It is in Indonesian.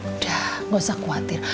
udah gak usah khawatir